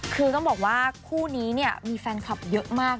คือต้องบอกว่าคู่นี้เนี่ยมีแฟนคลับเยอะมาก